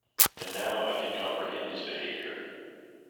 And now I can comprehend his behaviour.